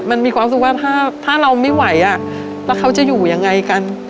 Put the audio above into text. มันมีความรู้สึกว่าถ้าเราไม่ไหวแล้วเขาจะอยู่ยังไงกัน